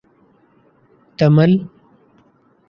Tamil